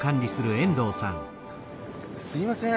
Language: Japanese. すみません。